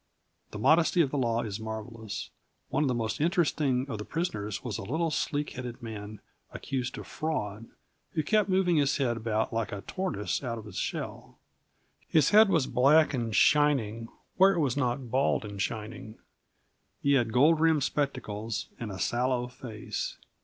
The modesty of the law is marvellous. One of the most interesting of the prisoners was a little sleek headed man accused of fraud, who kept moving his head about like a tortoise's out of its shell. His head was black and shining where it was not bald and shining. He had gold rimmed spectacles and a sallow face.